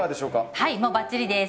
はいもうバッチリです。